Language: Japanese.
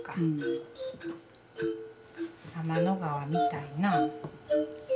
天の川見たいなあ。